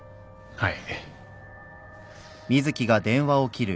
はい。